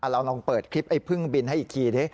เราลองเปิดคลิปไอ้พึ่งบินให้อีกทีดิ